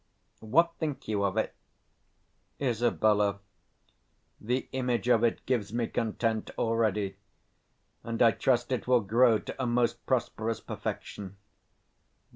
What think you of it? 245 Isab. The image of it gives me content already; and I trust it will grow to a most prosperous perfection.